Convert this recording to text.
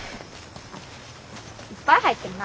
いっぱい入ってんな。